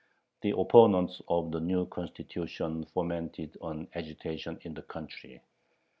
The opponents of the new Constitution fomented an agitation in the country.